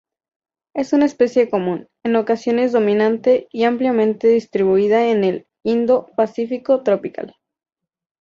Es una especie común, en ocasiones dominante, y ampliamente distribuida en el Indo-Pacífico tropical.